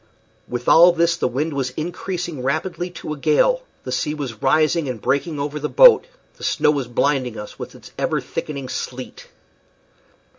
With all this the wind was increasing rapidly to a gale, the sea was rising and breaking over the boat, the snow was blinding us with its ever thickening sleet.